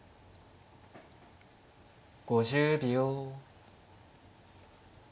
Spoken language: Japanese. ５０秒。